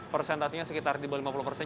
persentasenya sekitar di bawah lima puluh persen